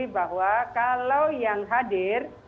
bahwa kalau yang hadir